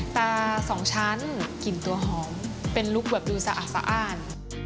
สองชั้นกลิ่นตัวหอมเป็นลุคแบบดูสะอาดสะอ้าน